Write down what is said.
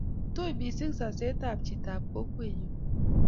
Tui mising sesetab chitab kokwenyu